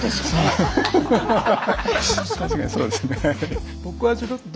確かにそうですねはい。